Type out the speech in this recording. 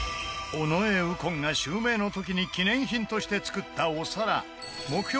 尾上右近が襲名の時に記念品として作ったお皿目標